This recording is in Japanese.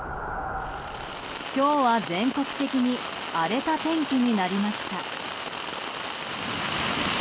今日は全国的に荒れた天気になりました。